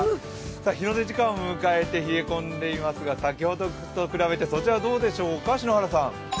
日の出時間を迎えて、冷え込んでいますが、先ほどと比べて、そちらどうでしょうか？